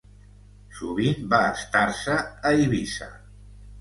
Sovint va estar-se a Eivissa.